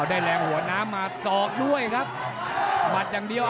มั่นใจว่าจะได้แชมป์ไปพลาดโดนในยกที่สามครับเจอหุ้กขวาตามสัญชาตยานหล่นเลยครับ